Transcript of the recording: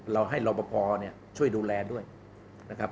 เราให้รอปภช่วยดูแลด้วยนะครับ